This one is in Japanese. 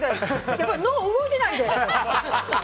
やっぱり脳、動いてないで。